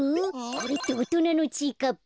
これっておとなのちぃかっぱ？